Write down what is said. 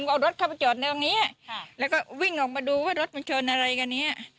ก็เอารถเข้าไปจอดแนวนี้แล้วก็วิ่งออกมาดูว่ารถมันชนอะไรกันเนี้ย